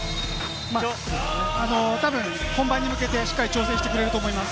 多分、本番に向けて、しっかり調整してくれると思います。